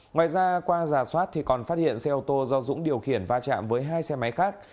ngoài ra qua giả soát thì còn phát hiện xe ô tô do dũng điều khiển va chạm với hai xe máy khác